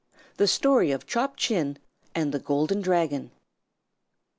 THE STORY OF CHOP CHIN AND THE GOLDEN DRAGON.